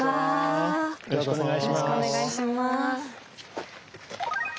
よろしくお願いします。